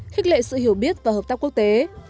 khích lệ sự hiểu biết và hợp tác quốc tế